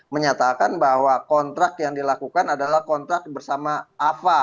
menyatakan bahwa kontrak yang dilakukan adalah kontrak bersama ava